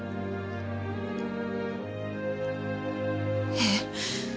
ええ。